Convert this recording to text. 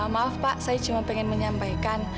maaf pak saya cuma ingin menyampaikan